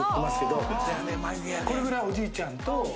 「これぐらいおじいちゃんと」